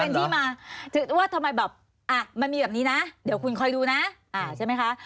เป็นที่มาว่าทำไมแบบอ่ะมันมีแบบนี้นะเดี๋ยวคุณคอยดูนะใช่ไหมคะ